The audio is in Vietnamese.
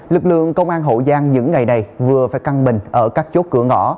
lực lượng công an hậu giang những ngày này vừa phải căn bình ở các chốt cửa ngõ